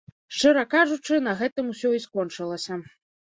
Шчыра кажучы, на гэтым усё і скончылася.